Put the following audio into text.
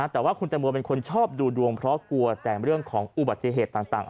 แต่ว่าคุณแตงโมเป็นคนชอบดูดวงเพราะกลัวแต่เรื่องของอุบัติเหตุต่าง